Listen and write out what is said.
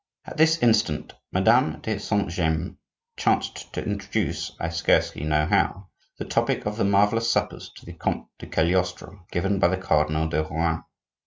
At this instant Madame de Saint James chanced to introduce, I scarcely know how, the topic of the marvellous suppers to the Comte de Cagliostro, given by the Cardinal de Rohan.